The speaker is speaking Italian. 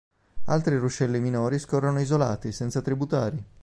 Altri ruscelli minori scorrono isolati, senza tributari.